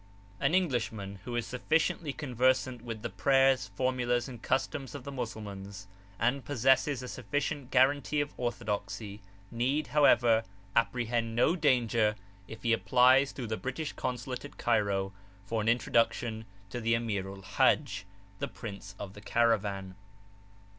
An Englishman who is sufficiently conversant with the prayers, formulas, and customs of the Mussulmans, and possess a sufficient guarantee of orthodoxy, need, however, apprehend no danger if he applies through the British Consulate at Cairo for an introduction to the Amirul Haj, the Prince of the Caravan.